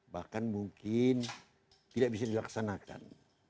bahkan mungkin tidak bisa dilaksanakan